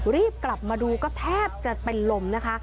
รีบกลับมาดูก็แทบจะเป็นลมนะคะ